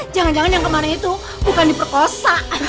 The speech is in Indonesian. jangan jangan yang kemana itu bukan diperkosa